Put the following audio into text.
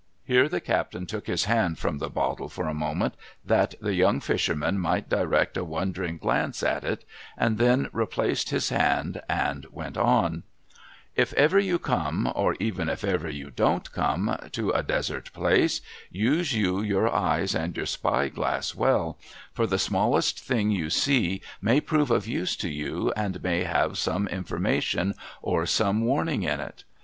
Here the captain took his hand from the bottle for a moment, that the young fisherman might direct a wondering glance at it ; and then replaced his hand and went on :—' If ever you come — or even if ever you don't come — to a desert ])lace, use you your eyes and your spy glass well ; for the smallest thing you see may prove of use to you, and may have some informa tion or some warning in it.